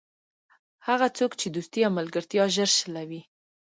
هغه څوک چې دوستي او ملګرتیا ژر شلوي.